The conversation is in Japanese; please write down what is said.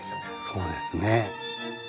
そうですね。